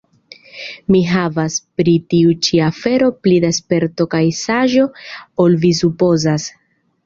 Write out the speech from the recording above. Mi havas pri tiu ĉi afero pli da sperto kaj saĝo ol vi supozas.